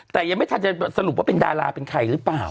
แต่ยังไม่ทันจะสรุปว่าเป็นดาราเป็นใครหรือเปล่า